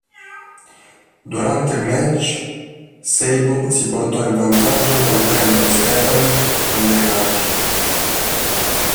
Durante il match, Sable si portò in vantaggio colpendo Stephanie con dei calci.